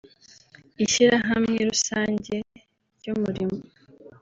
Ishyirahamwe rusange ry’umurimo